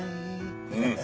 うん！